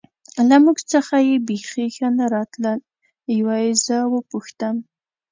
له موږ څخه یې بېخي ښه نه راتلل، یوه یې زه و پوښتم.